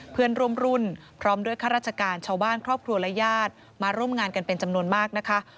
เพื่อนร่วมรุ่นพร้อมด้วยข้าราชการชาวบ้านครอบครัวและญาติมาร่วมงานกันเป็นจำนวนมากนะคะ